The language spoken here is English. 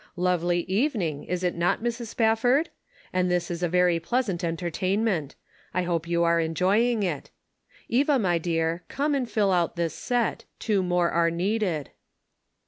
"Lovely evening, is it not, Mrs. Spafford? And this is a very pleasant entertainment. I hope you are enjoying it. Eva, my dear, come and fill out this set; two more are needed."